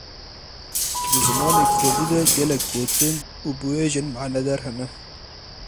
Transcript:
Di zimanê kurdî de gelek gotin û biwêjên manedar hene.